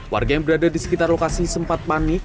warga yang berada di sekitar lokasi sempat panik